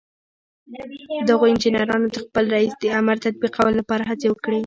دغو انجنيرانو د خپل رئيس د امر تطبيقولو لپاره هڅې وکړې.